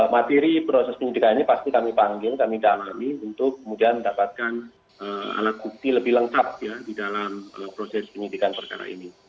materi proses penyidikan ini pasti kami panggil kami dalami untuk kemudian mendapatkan alat bukti lebih lengkap ya di dalam proses penyidikan perkara ini